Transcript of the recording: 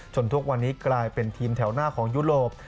ทุกวันนี้กลายเป็นทีมแถวหน้าของยุโรป